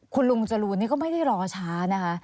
คุณลุงจรูนนี่ก็ไม่ได้รอช้านะคะ